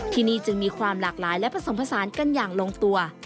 ที่นี่จึงมีความหลากหลายและผสมผสานกันอย่างลงตัว